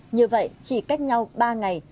như vậy chỉ cách nhau ba ngày